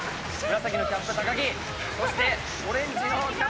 紫のキャップ木そしてオレンジのキャップ。